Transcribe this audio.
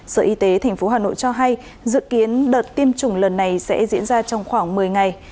sở y tế tp hà nội cho hay dự kiến đợt tiêm chủng lần này sẽ diễn ra trong khoảng một mươi ngày